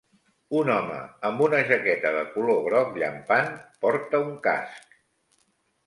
Un home amb una jaqueta de color groc llampant porta un casc.